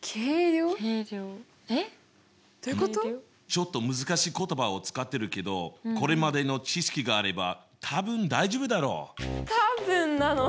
ちょっと難しい言葉を使ってるけどこれまでの知識があれば「たぶん」なの？